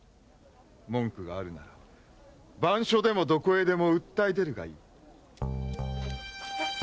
文句があるなら番所でもどこへでも訴え出るがいい。